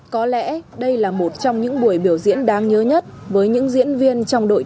có lẽ đây là một trong những buổi biểu diễn đáng nhớ nhất với những diễn viên trong đội